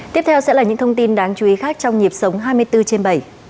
tiếp theo sẽ là những thông tin đáng chú ý khác trong nhịp sống hai mươi bốn trên bảy